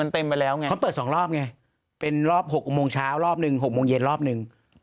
เค้าเปิด๒รอบไงเป็นรอบ๖โมงเช้ารอบหนึ่ง๖โมงเย็นรอบหนึ่ง